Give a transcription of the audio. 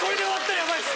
ヤバいです